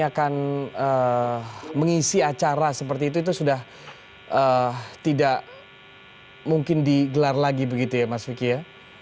akan mengisi acara seperti itu itu sudah tidak mungkin digelar lagi begitu ya mas vicky ya